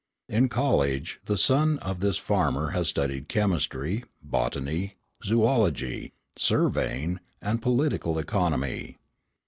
In college the son of this farmer has studied chemistry, botany, zoölogy, surveying, and political economy.